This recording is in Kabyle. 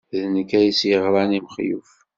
D nekk ay as-yeɣran i Mexluf.